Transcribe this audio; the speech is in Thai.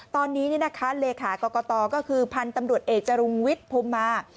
ตอนนี้เลขากรกตก็คือพันธุ์ตำรวจเอกจรุงวิทย์พรมมา